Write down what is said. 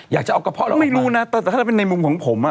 อยากจะเอากระเพาะเราออกมาไม่รู้นะแต่ถ้าเป็นในมุมของผม